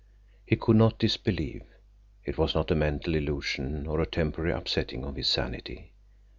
He could not disbelieve. It was not a mental illusion or a temporary upsetting of his sanity.